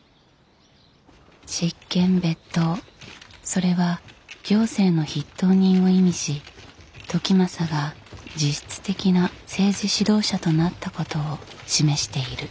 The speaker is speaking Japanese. それは行政の筆頭人を意味し時政が実質的な政治指導者となったことを示している。